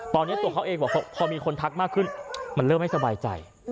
ตอนนี้ตัวเขาเองบอกพอมีคนทักมากขึ้นมันเริ่มไม่สบายใจ